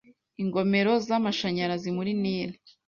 Ingomero z'amashanyarazi muri Nili